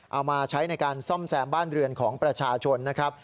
เอามาใช้ในการซ่อมแซมบ้านเรือนของประชาชนนะครับ